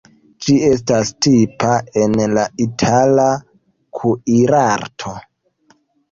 Ĝi estas tipa en la itala kuirarto.